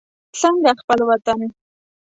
څنګه خپل وطن.